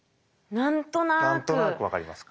何となく分かりますか。